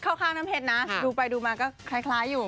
ข้าวข้างน้ำเผ็ดน่ะฮะดูไปดูมาก็คล้ายคล้ายอยู่อ่อ